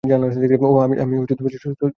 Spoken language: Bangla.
ওহহ আমি সত্যিই দুঃখিত!